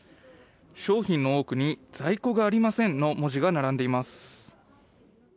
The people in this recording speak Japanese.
商品の多くに在庫がありませんの文字が並んでいます。